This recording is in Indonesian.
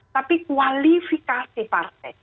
tapi kualifikasi partai